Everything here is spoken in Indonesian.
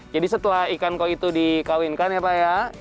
jadi setelah ikan koi itu dikawinkan ya pak ya